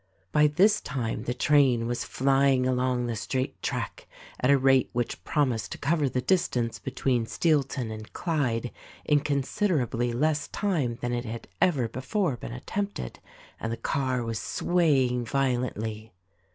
By this time the train was flying along the straight track at a rate which promised to cover the distance between Steel ton and Clyde in considerably less time than it had ever before been attempted, and the car was swaying violently.